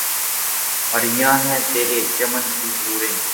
عریاں ہیں ترے چمن کی حوریں